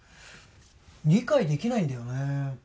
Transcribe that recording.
理解できないんだよね